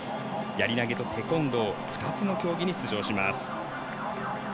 やり投げとテコンドー２つの競技に出場します。